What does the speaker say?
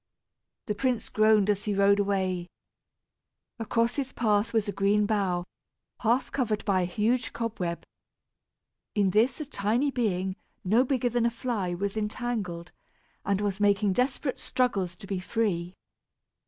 The prince groaned as he rode away. Across his path was a green bough, half covered by a huge cobweb. In this a tiny being, no bigger than a fly, was entangled, and was making desperate struggles to be free.